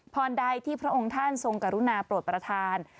ใดที่พระองค์ท่านทรงกรุณาโปรดประธาน